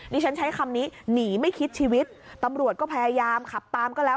ฉันใช้คำนี้หนีไม่คิดชีวิตตำรวจก็พยายามขับตามก็แล้ว